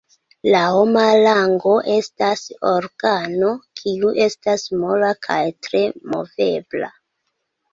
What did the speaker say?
La homa lango estas organo, kiu estas mola kaj tre movebla.